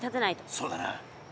そうだな。